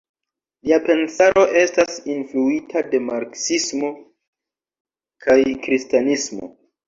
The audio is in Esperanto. Lia pensaro estas influita de marksismo kaj kristanismo.